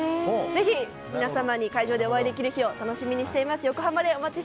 ぜひ皆様に会場でお会いできる日を楽しみにしています。